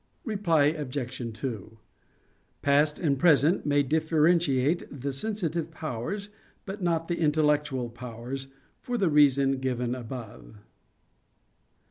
Reply Obj. 2: Past and present may differentiate the sensitive powers, but not the intellectual powers, for the reason give above.